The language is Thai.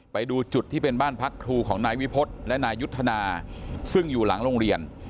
ไปดูจุดที่เป็นบ้านพักครูของนายวิพฤษและนายยุทธนาซึ่งอยู่หลังโรงเรียน